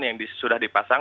yang sudah dipasang